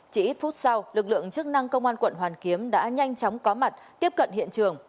chỉ ít phút sau lực lượng chức năng công an quận hoàn kiếm đã nhanh chóng có mặt tiếp cận hiện trường